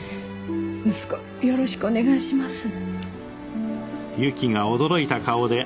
息子よろしくお願いします。